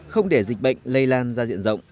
không để dịch bệnh lây lan ra diện rộng